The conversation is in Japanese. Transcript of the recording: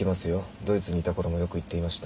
ドイツにいた頃もよく行っていました。